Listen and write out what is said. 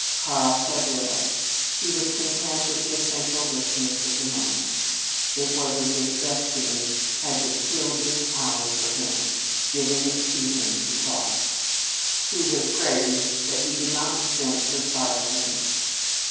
Karl said little. He was content with the essential richness of the moment. It was as if Destiny had distilled this hour for him, giving it to him to quaff. He was grave, but he did not resent her sorrowfulness.